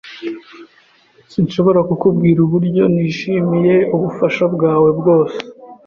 Sinshobora kukubwira uburyo nishimiye ubufasha bwawe bwose.